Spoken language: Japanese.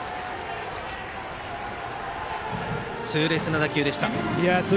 痛烈な打球でした。